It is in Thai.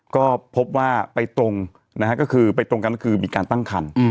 ก็พบว่าไปตรงนะฮะก็คือไปตรงกันก็คือมีการตั้งคัน